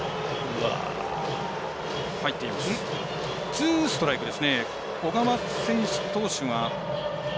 ツーストライクですね。